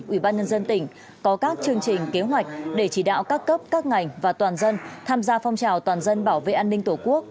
ủy ban nhân dân tỉnh có các chương trình kế hoạch để chỉ đạo các cấp các ngành và toàn dân tham gia phong trào toàn dân bảo vệ an ninh tổ quốc